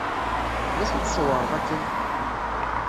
D acu tṣewwreḍ akken?